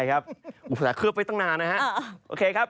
ได้ครับอุปสรรคเคื้อไฟตั้งนานนะครับ